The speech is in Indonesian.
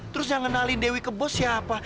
terus yang kenali dewi ke bos siapa